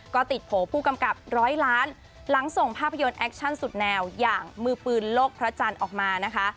ก็ติดโผล่ผู้กำกับร้อยล้านหลังส่งภาพยนตร์แอคชั่นสุดแนวอย่างมือปืนโลกพระจันทร์ออกมานะคะ